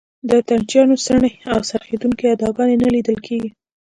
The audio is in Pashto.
د اتڼ چیانو څڼې او څرخېدونکې اداګانې نه لیدل کېږي.